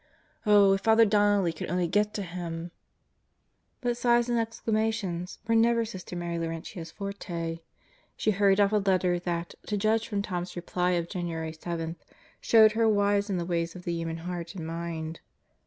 Oh, if Father Donnelly could only get to him 1" But sighs and exclamations were never Sister Mary Lauren tia's forte. She hurried off a letter that, to judge from Tom's reply of January 7, showed her wise in the ways of the human heart and mind.